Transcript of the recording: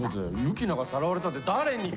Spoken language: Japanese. ユキナがさらわれたって誰に！？